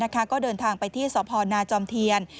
แล้วก็เดินทางไปที่สพนจเทียน